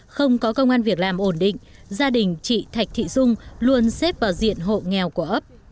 không có công an việc làm ổn định gia đình chị thạch thị dung luôn xếp vào diện hộ nghèo của ấp